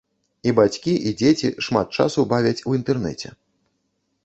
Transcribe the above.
І бацькі, і дзеці шмат часу бавяць у інтэрнэце.